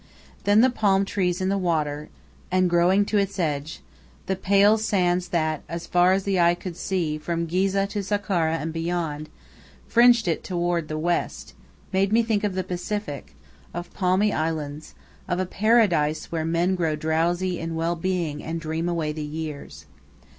Then the palm trees in the water, and growing to its edge, the pale sands that, far as the eyes could see, from Ghizeh to Sakkara and beyond, fringed it toward the west, made me think of the Pacific, of palmy islands, of a paradise where men grow drowsy in well being, and dream away the years.